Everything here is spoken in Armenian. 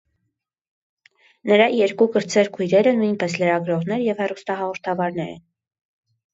Նրա երկու կրտսեր քույրերը նույնպես լրագրողներ և հեռուստահաղորդավարներ են։